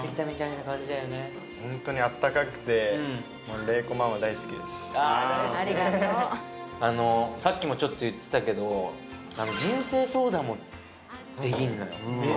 ホントにあったかくてさっきもちょっと言ってたけど人生相談もできんのよ